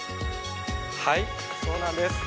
はいそうなんです。